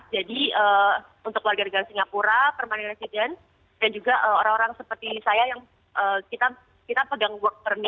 jadi untuk warga negara singapura permanent resident dan juga orang orang seperti saya yang kita pegang work permit